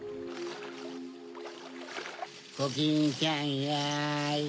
コキンちゃんやい。